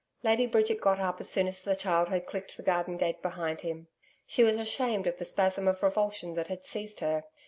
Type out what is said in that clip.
Lady Bridget got up as soon as the child had clicked the garden gate behind him. She was ashamed of the spasm of revulsion that had seized her.